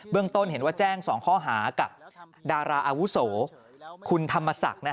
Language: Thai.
ต้นเห็นว่าแจ้ง๒ข้อหากับดาราอาวุโสคุณธรรมศักดิ์